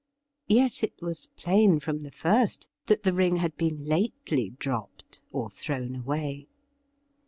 Yet it was plain from the first that the ring had been lately dropped or thrown away.